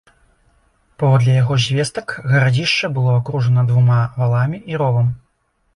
Паводле яго звестак, гарадзішча было акружана двума валамі і ровам.